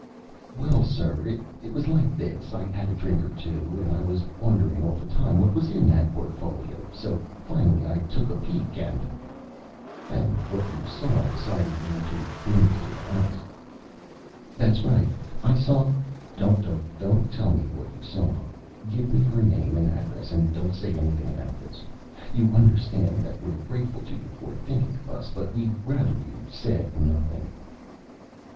"Well, sir, it was like this. I had a drink or two and I was wondering all the time what was in that portfolio. So finally I took a peek and " "And what you saw decided you to bring it here to us." "That's right. I saw " "Don't tell me what you saw. Give me your name and address and don't say anything about this. You understand that we're grateful to you for thinking of us, but we'd rather you said nothing."